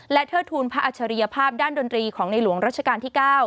และเทิดทูลพระอัจฉริยภาพด้านดนตรีของในหลวงรัชกาลที่๙